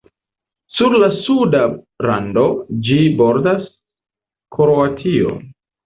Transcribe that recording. Sur la suda rando, ĝi bordas Kroatio.